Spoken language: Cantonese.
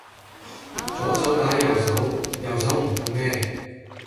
左手打右手，右手唔痛咩